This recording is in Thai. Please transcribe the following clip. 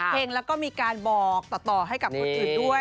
เห็งแล้วก็มีการบอกต่อให้กับคนอื่นด้วย